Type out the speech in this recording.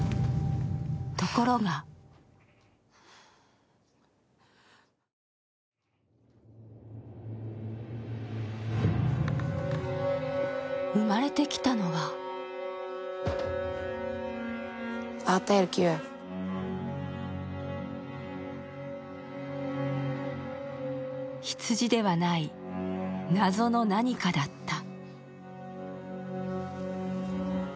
ところが生まれてきたのは羊ではない、謎の何かだった。